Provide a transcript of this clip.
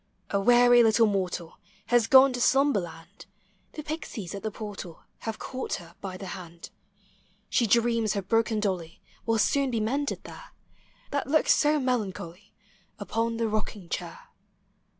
A weary little mortal lias gone to sluinberland ; The Pixies at the portal Have caught her by the hand. She dreams her broken dolly Will soon be mended there, That looks so melancholy Upon the rocking chair.